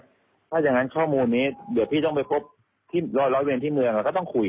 ถ้าอย่างนั้นข้อมูลนี้เดี๋ยวพี่ต้องไปพบที่ร้อยร้อยเวนที่เมืองเราก็ต้องคุย